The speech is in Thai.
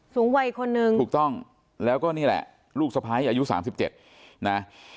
สูงวัยคนหนึ่งถูกต้องแล้วก็นี่แหละลูกสะพ้ายอายุสามสิบเจ็ดนะ